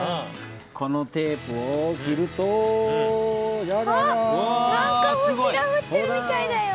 このテープを切るとなんか星がふってるみたいだよ。